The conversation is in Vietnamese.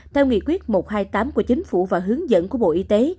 theo nghị quyết một trăm hai mươi tám của chính phủ và hướng dẫn của bộ y tế